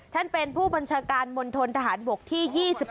ท่านเป็นผู้บัญชาการมณฑนทหารบกที่๒๑